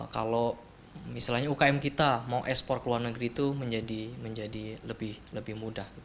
kalau misalnya ukm kita mau ekspor ke luar negeri itu menjadi lebih mudah